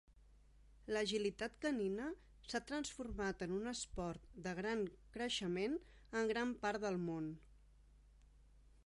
L'agilitat canina s'ha transformat en un esport de gran creixement en gran part del món.